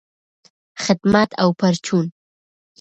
خدمت او پرچون